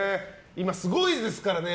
今すごいですからね。